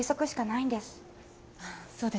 はい。